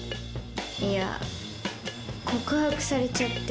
いや告白されちゃって。